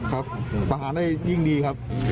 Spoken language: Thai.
ประหารได้ยิ่งดีครับ